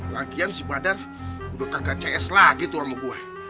lagian si badar udah kagak cs lagi tuan mugua